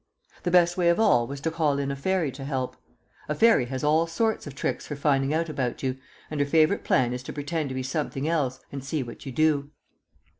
The best way of all was to call in a Fairy to help. A Fairy has all sorts of tricks for finding out about you, and her favourite plan is to pretend to be something else and see what you do.